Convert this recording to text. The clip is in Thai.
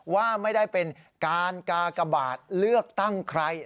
ว่าไม่ได้เป็นการกากบาทเลือกตั้งใคร